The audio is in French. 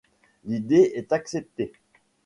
L'idée est acceptée.